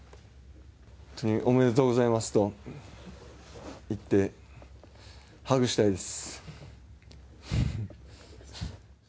本当におめでとうございますと言ってハグしたいです。